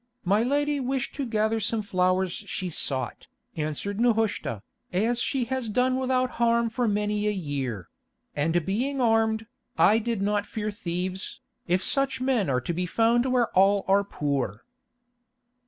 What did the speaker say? "My lady wished to gather some flowers she sought," answered Nehushta, "as she has done without harm for many a year; and being armed, I did not fear thieves, if such men are to be found where all are poor."